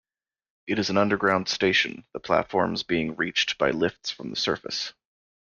It is an underground station, the platforms being reached by lifts from the surface.